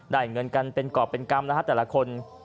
ได้เงินกันเป็นกรอบเป็นกรรมแล้วครับแต่ละคน